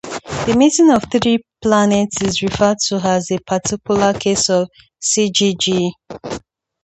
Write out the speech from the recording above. The meeting of three planets is referred to as a particular case of syzygy.